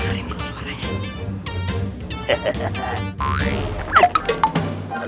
kopi bersama kayak ket outfits soal inquire